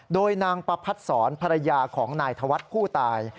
โดยนางประพัดศรภรรยาของนายธวัฒน์ผู้ตาย